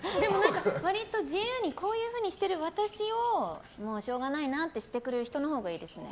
割と自由にこういうふうにしてる私をもう、しょうがないなってしてくれる人のほうがいいですね。